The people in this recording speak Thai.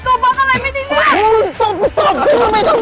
ทำไมไม่ยกมือเลยโดบเบาะอะไรไม่ได้เนี่ย